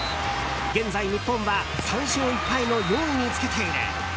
現在、日本は３勝１敗の４位につけている。